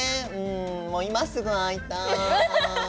もう今すぐ会いたい。